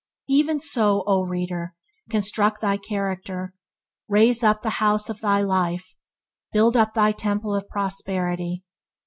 Even so, oh reader construct thy character, raise up the house of thy life, build up thy Temple of Prosperity.